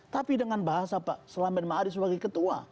tapi dengan bahasa pak selam ben ma'arif sebagai ketua